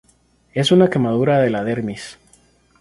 Es una quemadura de la dermis.